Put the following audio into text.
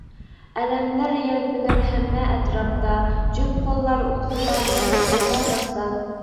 ئەلەملەر يەلپۈنەر ھەممە ئەتراپتا، جۈپ قوللار قۇللارنىڭ تىلىدا داستان.